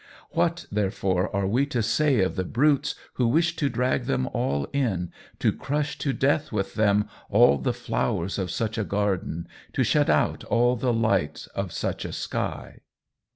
What, therefore, are we to say of the brutes who wish to drag them all in — to crush to death with them all the flowers of such a garden, to shut out all the light of such a sky